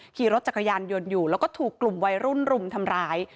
ขี่รถจักรยานยนต์อยู่แล้วก็ถูกกลุ่มวัยรุ่นรุมทำร้าย